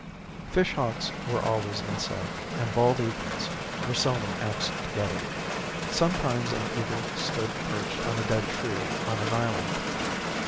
Fish hawks were always in sight, and bald eagles were seldom absent altogether. Sometimes an eagle stood perched on a dead tree on an island.